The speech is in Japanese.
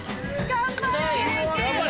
頑張れ！